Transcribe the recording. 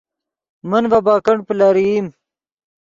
من ڤے بیکنڈ پلرئیم